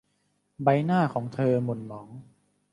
ใบหน้าของเธอหม่นหมอง